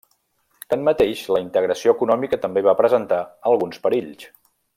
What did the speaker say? Tanmateix, la integració econòmica també va presentar alguns perills.